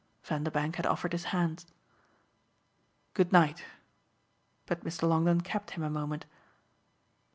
Vanderbank had offered his hand. "Good night." But Mr. Longdon kept him a moment.